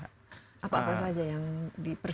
apa apa saja yang di persis